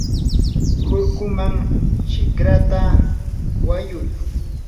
hurkunman shikrata wayuy.